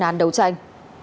chơi nán đấu tranh